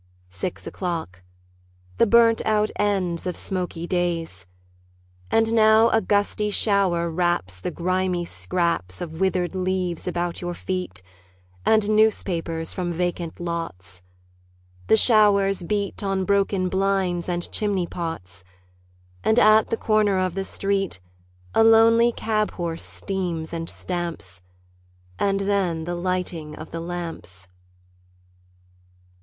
Six o'clock. The burnt out ends of smoky days. And now a gusty shower wraps The grimy scraps Of withered leaves about your feet And newspapers from vacant lots; The showers beat On broken blinds and chimney pots, And at the corner of the street A lonely cab horse steams and stamps. And then the lighting of the lamps.